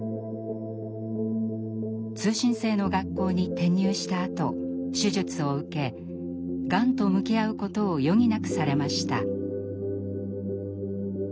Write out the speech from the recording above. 通信制の学校に転入したあと手術を受けがんと向き合うことを余儀なくされました。